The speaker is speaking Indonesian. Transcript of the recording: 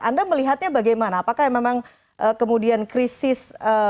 anda melihatnya bagaimana apakah memang kemudian krisis